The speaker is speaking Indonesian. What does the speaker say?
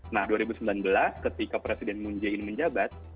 nah dua ribu sembilan belas ketika presiden moon jae in menjabat